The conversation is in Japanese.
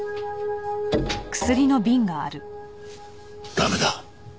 駄目だ。